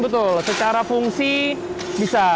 betul secara fungsi bisa